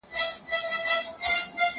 کېدای سي درسونه اوږده وي،